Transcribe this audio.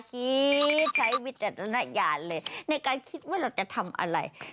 ใช้ใช้วิจารณญาณเลยในการคิดว่าเราจะทำอะไร